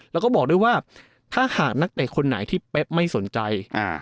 แล้วก็บอกด้วยว่าถ้าหากนักเตะคนไหนที่เป๊ะไม่สนใจ